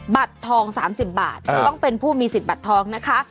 บัตรทอง๓๐บาทต้องเป็นผู้มีสิทธิ์บัตรทองนะคะ